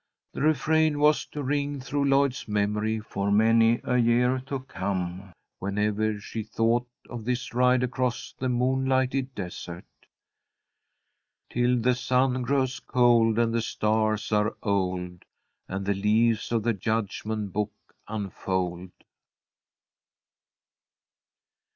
The refrain that was to ring through Lloyd's memory for many a year to come, whenever she thought of this ride across the moonlighted desert: "_Till the sun grows cold, And the stars are old, And the leaves of the Judgment Book unfold!